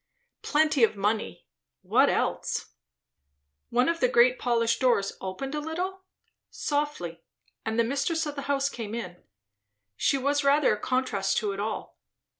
Plenty of money! What else? One of the great polished doors opened a little? softly, and the mistress of the house came in. She was rather a contrast to it all.